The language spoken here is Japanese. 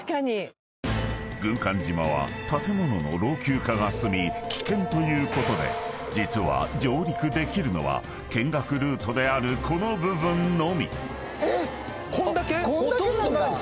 ［軍艦島は建物の老朽化が進み危険ということで実は上陸できるのは見学ルートであるこの部分のみ］